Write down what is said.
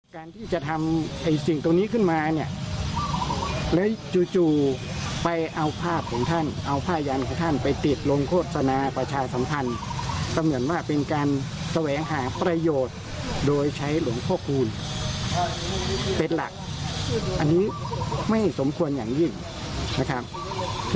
การที่จะทำไอ้สิ่งตรงนี้ขึ้นมาเนี่ยแล้วจู่ไปเอาภาพของท่านเอาผ้ายันของท่านไปติดลงโฆษณาประชาสัมพันธ์ก็เหมือนว่าเป็นการแสวงหาประโยชน์โดยใช้หลวงพ่อคูณเป็นหลักอันนี้ไม่สมควรอย่างยิ่งนะครับ